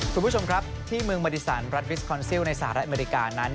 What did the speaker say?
คุณผู้ชมครับที่เมืองมอดิสันรัฐริสคอนซิลในสหรัฐอเมริกานั้น